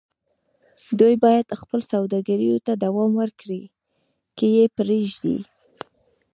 دوی بايد خپلو سوداګريو ته دوام ورکړي که يې پرېږدي.